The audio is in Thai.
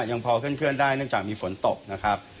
ยังพอเคลื่อนได้เนื่องจากมีฝนตกนะครับ